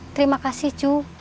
terima kasih cu